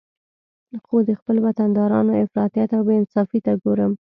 خو د خپل وطندارانو افراطیت او بې انصافي ته ګورم